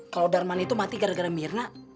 kalau darman itu mati gara gara mirna